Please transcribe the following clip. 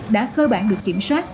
đã cơ bản được kiểm soát